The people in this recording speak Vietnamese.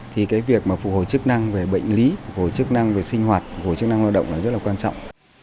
thì việc phục hồi chức năng về bệnh lý phục hồi chức năng về sinh hoạt phục hồi chức năng lao động rất là quan trọng